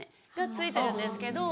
付いてるんですけど。